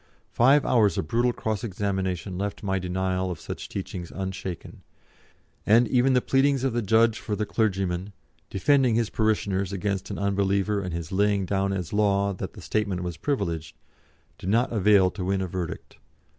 Five hours of brutal cross examination left my denial of such teachings unshaken, and even the pleadings of the judge for the clergyman, defending his parishioners against an unbeliever and his laying down as law that the statement was privileged, did not avail to win a verdict.